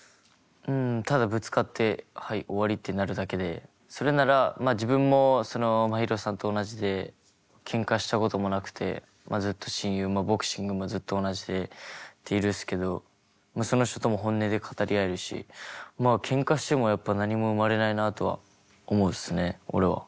ただぶつかってはい終わりってなるだけでそれならまあ自分もまひろさんと同じでケンカしたこともなくてずっと親友もボクシングもずっと同じでっているっすけどその人とも本音で語り合えるしまあケンカしてもやっぱ何も生まれないなとは思うっすね俺は。